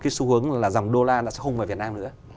cái xu hướng là dòng đô la nó sẽ không vào việt nam nữa